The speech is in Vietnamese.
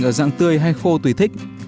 bồ công anh ở dạng tươi hay khô tùy thích